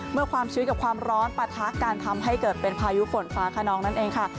เมื่อความชื้นกับความร้อนปะทะกันทำให้เกิดเป็นพายุฝนฟ้าขนองนั่นเองค่ะ